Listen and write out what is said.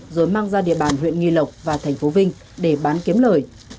rồi mang ra địa bàn huyện nghi lộc và thành phố vinh để bán kiếm lời